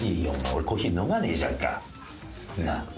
俺コーヒー飲まねえじゃんか。なあ？